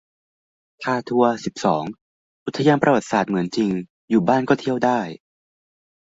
พาทัวร์ สิบสอง อุทยานประวัติศาสตร์เสมือนจริง อยู่บ้านก็เที่ยวได้